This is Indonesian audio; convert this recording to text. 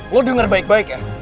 lo denger baik baik ya